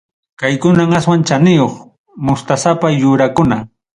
Kaykunam aswan chaniyuq mustasapa yurakuna.